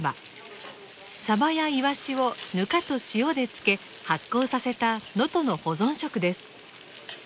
サバやイワシをぬかと塩で漬け発酵させた能登の保存食です。